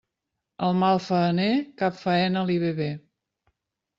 Al malfaener, cap faena li ve bé.